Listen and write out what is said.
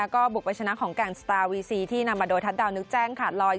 ก็บุกไปชนะของแก่นสตาร์วีซีที่นำมาโดยทัศดาวนึกแจ้งขาดลอย